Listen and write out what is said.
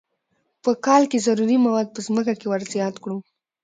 په کال کې ضروري مواد په ځمکه کې ور زیات کړو.